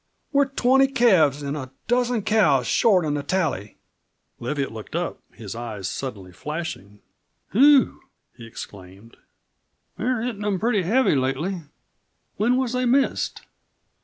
We're twenty calves an' a dozen cows short on the tally!" Leviatt looked up, his eyes suddenly flashing. "Whew!" he exclaimed. "They're hittin' them pretty heavy lately. When was they missed?"